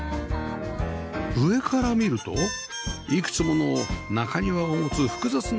上から見るといくつもの中庭を持つ複雑な形